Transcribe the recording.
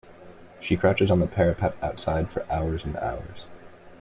She crouches on the parapet outside for hours and hours.